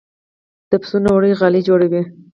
د پسونو وړۍ غالۍ جوړوي